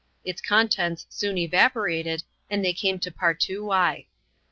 Its contents soon evaporated, and they came to Partoowye.